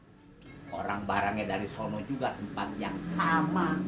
orang orang barangnya dari sana juga tempat yang sama